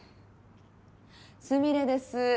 すみれです。